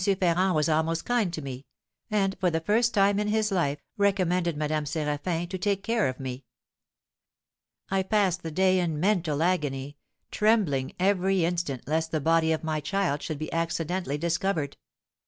Ferrand was almost kind to me, and, for the first time in his life, recommended Madame Séraphin to take care of me. I passed the day in mental agony, trembling every instant lest the body of my child should be accidentally discovered.